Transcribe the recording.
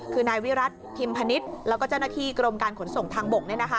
คือนายวิรัติพิมพนิษฐ์แล้วก็เจ้าหน้าที่กรมการขนส่งทางบก